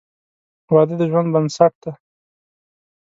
• واده د ژوند بنسټ دی.